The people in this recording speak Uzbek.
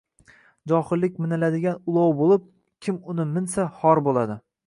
Johillik miniladigan ulov bo’lib, kim uni minsa, xor bo’ladi